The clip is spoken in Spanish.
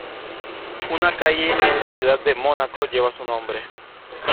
Una calle en la Ciudad de Mónaco lleva su nombre.